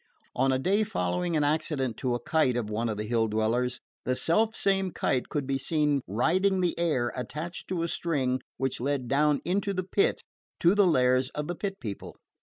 On a day following an accident to a kite of one of the Hill dwellers, the self same kite could be seen riding the air attached to a string which led down into the Pit to the lairs of the Pit People.